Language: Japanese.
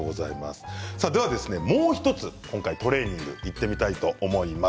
では、もう１つ今回トレーニングいってみたいと思います。